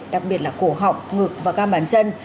đặc biệt là cổ họng ngực và cam bàn chân